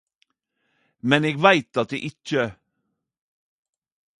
Men eg veit at det ikkje